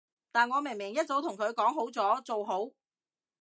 但我明明一早同佢講好咗，做好